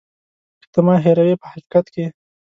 که ته ما هېروې په حقیقت کې.